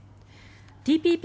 ＴＰＰ